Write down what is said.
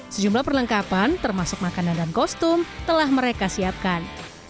sejumlah perlengkapan termasuk makanan dan kostum telah mereka siapkan